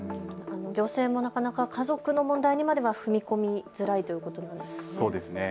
行政もなかなか家族の問題までは踏み込みづらいということですね。